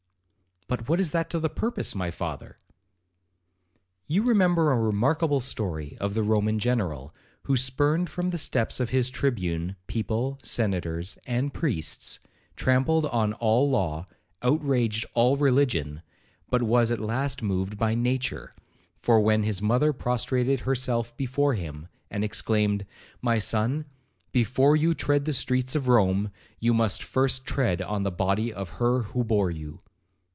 'But what is that to the purpose, my father?' 'You remember a remarkable story of the Roman general, who spurned from the steps of his tribune, people, senators, and priests,—trampled on all law,—outraged all religion,—but was at last moved by nature, for, when his mother prostrated herself before him, and exclaimed, 'My son, before you tread the streets of Rome, you must first tread on the body of her who bore you!'